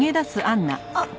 あっ！